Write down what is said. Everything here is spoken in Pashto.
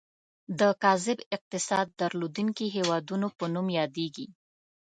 د کاذب اقتصاد درلودونکي هیوادونو په نوم یادیږي.